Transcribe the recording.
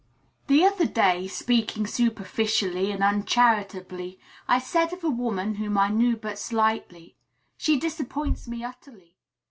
The other day, speaking superficially and uncharitably, I said of a woman, whom I knew but slightly, "She disappoints me utterly.